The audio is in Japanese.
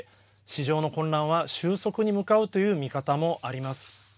市場の混乱は収束に向かうという見方もあります。